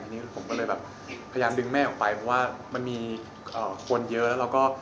ผมก็เลยพยายามดึงแม่ออกไปเพราะว่ามีคนเยอะแล้วก็